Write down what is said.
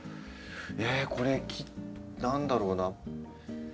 ええこれ何だろうな。